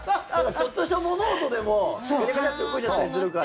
ちょっとした物音でもガシャガシャっと動いちゃったりするから。